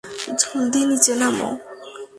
জলদি নিচে নামো।